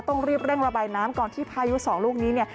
ต้องรีบเร่งระบายน้ำก่อนที่พายุสองลูกนี้เนี่ย